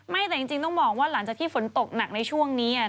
แต่จริงต้องบอกว่าหลังจากที่ฝนตกหนักในช่วงนี้